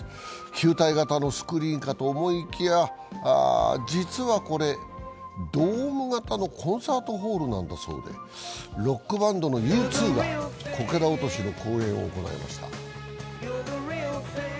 球体型のスクリーンかと思いきや、実はこれドーム型のコンサートホールなんだそうで、ロックバンドのＵ２がこけら落としの公演を行いました。